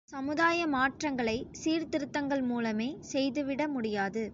சமுதாய மாற்றங்களை, சீர்திருத்தங்கள் மூலமே செய்துவிட முடியாது.